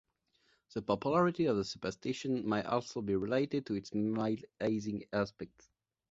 The popularity of the superstition might also be related to its mild hazing aspect.